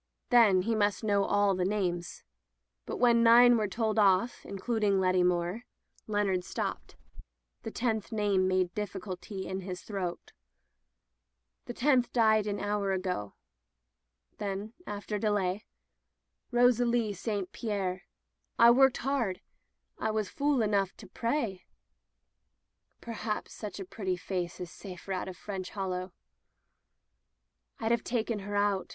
Then he must know all the names. But when [ 403 ] Digitized by LjOOQ IC Interventions nine were told off, including Letty Moore, Leonard stopped. The tenth name made dif ficulty in his throat. "The tenth died an hour ago/* Then, after delay — "Rosalie St Pierre 1 worked hard. I was fool enough to pray," "Perhaps such a pretty face is safer out of French Hollow.'* "Fd have taken her out.